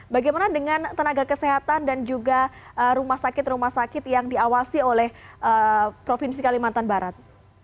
bagaimana dengan tenaga kesehatan dan juga rumah sakit rumah sakit yang diawasi oleh provinsi kalimantan barat